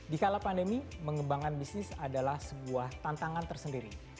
di kala pandemi mengembangkan bisnis adalah sebuah tantangan tersendiri